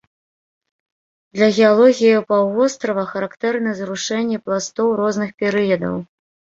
Для геалогіі паўвострава характэрны зрушэнні пластоў розных перыядаў.